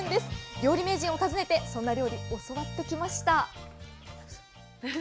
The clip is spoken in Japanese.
料理名人を訪ねてそんな料理教わってきました。